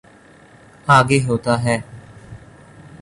آگے ہوتا ہے۔